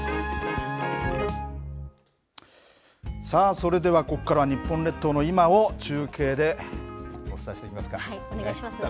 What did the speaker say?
それではここからは、日本列島の今を中継でお伝えしていきますか。